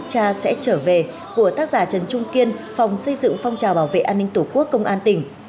cha sẽ trở về của tác giả trần trung kiên phòng xây dựng phong trào bảo vệ an ninh tổ quốc công an tỉnh